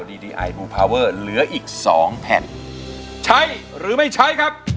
ดีดีไอบูพาเวอร์เหลืออีกสองแผ่นใช้หรือไม่ใช้ครับ